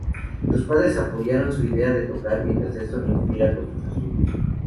Sus padres apoyaron su idea de tocar mientras esto no interfiriera con sus estudios.